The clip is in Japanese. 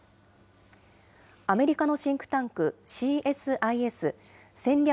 アメリカのシンクタンク、ＣＳＩＳ・戦略